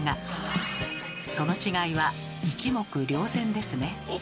その違いは一目瞭然ですね。